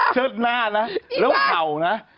เชิดหน้านะกับเผ่า